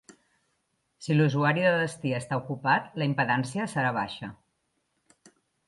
Si l'usuari de destí està ocupat, la impedància serà baixa.